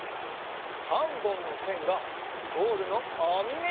３ぼんのせんがゴールのあみめになってる！